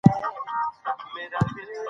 مالي اړیکې باید روښانه وي.